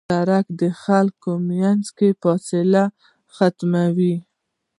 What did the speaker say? سړک د خلکو منځ کې فاصله ختموي.